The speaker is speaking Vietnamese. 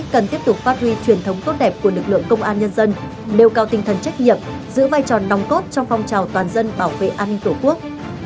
cần tiếp tục phát huy truyền thống tốt đẹp của lực lượng công an nhân dân nêu cao tinh thần trách nhiệm giữ vai trò nòng cốt trong phong trào toàn dân bảo vệ an ninh tổ quốc